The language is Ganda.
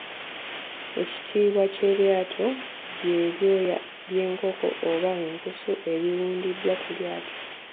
Ekitiibwa ky’eryato bye byoya by’enkoko oba enkusu ebiwundiddwa ku lyato.